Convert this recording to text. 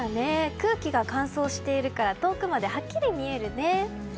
空気が乾燥しているから遠くまではっきり見えるね。